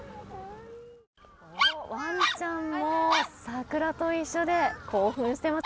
ワンちゃんも桜と一緒で興奮しています。